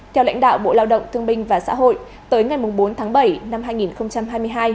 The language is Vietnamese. theo lãnh đạo bộ lao động thương binh và xã hội tới ngày bốn tháng bảy năm hai nghìn hai mươi hai